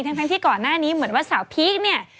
ทั้งที่ก่อนหน้านี้เหมือนว่าสาวพีคเนี่ย